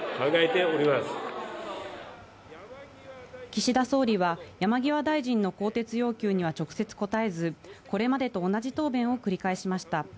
岸田総理は山際大臣の更迭要求には直接答えず、これまでと同じ答弁を繰り返しました。